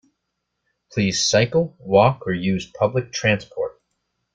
Please cycle, walk, or use public transport